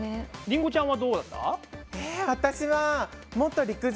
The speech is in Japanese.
りんごちゃんはどうだった？